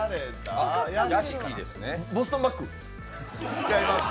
違います。